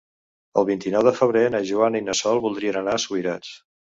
El vint-i-nou de febrer na Joana i na Sol voldrien anar a Subirats.